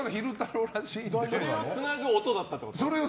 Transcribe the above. それをつなぐ音だったってこと？